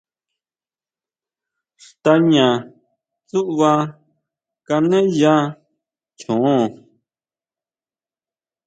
Xtaña tsúʼba keneya choon.